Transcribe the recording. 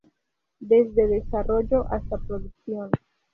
Desde desarrollo hasta producción.